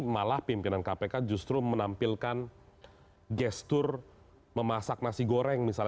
malah pimpinan kpk justru menampilkan gestur memasak nasi goreng misalnya